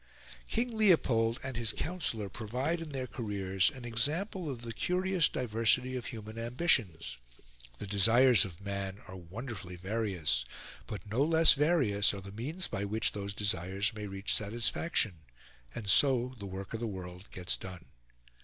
King Leopold and his counsellor provide in their careers an example of the curious diversity of human ambitions. The desires of man are wonderfully various; but no less various are the means by which those desires may reach satisfaction: and so the work of the world gets done.